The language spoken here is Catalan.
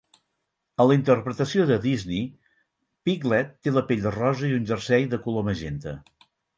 A la interpretació de Disney, Piglet té la pell rosa i un jersei de color magenta.